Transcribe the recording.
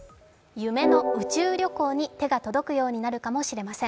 夢の宇宙旅行に手が届くようになるかもしれません。